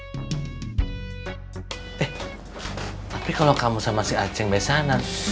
eh tapi kalau kamu sama si acing besanan